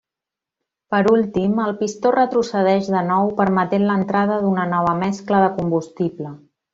Per últim el pistó retrocedeix de nou permetent l'entrada d'una nova mescla de combustible.